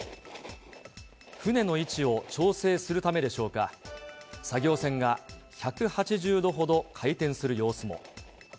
船の位置を調整するためでしょうか、作業船が１８０度ほど回転する様子も。